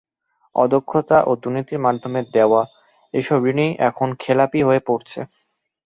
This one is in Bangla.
অদক্ষতা ও দুর্নীতির মাধ্যমে দেওয়া এসব ঋণই এখন খেলাপি হয়ে পড়ছে।